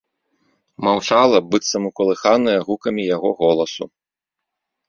Маўчала, быццам укалыханая гукамі яго голасу.